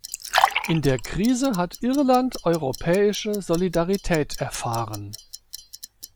In der Krise hat Irland europäische Solidarität erfahren.